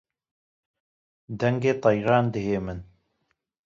Dengê Teyran dihê min